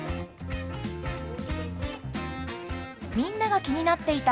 みんなが気になっていた